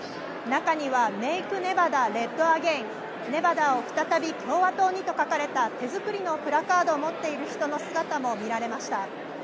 中には、ＲｅｄＡｇａｉｎＲｅｄＡｇａｉｎ、ネバダを再び共和党にと書かれた手作りのプラカードを持っている人の姿も見られました。